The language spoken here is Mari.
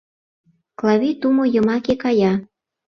Клавий тумо йымаке кая.